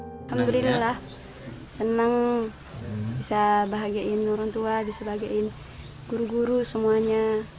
alhamdulillah senang bisa bahagiain orang tua bisa bahagiain guru guru semuanya